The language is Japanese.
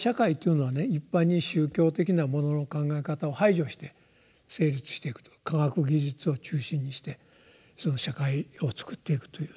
一般に宗教的なものの考え方を排除して成立していくと科学技術を中心にして社会をつくっていくという。